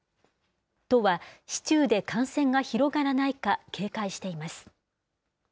都は、市中で感染が広がらないか警戒しています。